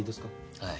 はい。